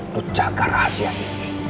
lo jaga rahasia ini